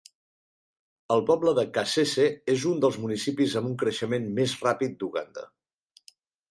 El poble de Kasese és un dels municipis amb un creixement més ràpid d'Uganda.